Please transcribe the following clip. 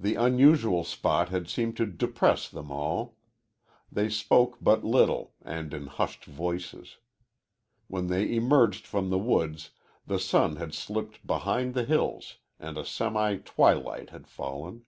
The unusual spot had seemed to depress them all. They spoke but little, and in hushed voices. When they emerged from the woods the sun had slipped behind the hills and a semi twilight had fallen.